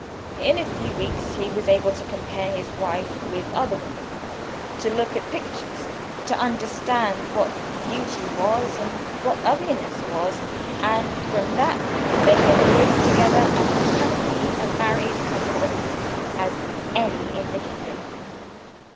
In a few weeks he was able to compare his wife with other women, to look at pictures, to understand what beauty was and what ugliness was and from that time they have lived together as happy a married couple as any in the kingdom."